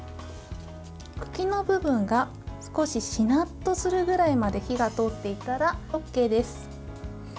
茎の部分が少ししなっとするぐらいまで火が通っていたらＯＫです。